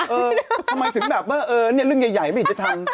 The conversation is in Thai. เออทำไมถึงแบบว่าเรื่องใหญ่ไม่ได้ทำ